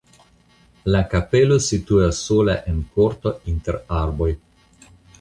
La kapelo situas sola en korto inter arboj.